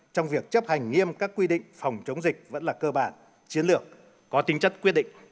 trong việc chấp hành nghiêm các quy định phòng chống dịch vẫn là cơ bản chiến lược có tinh chất quyết định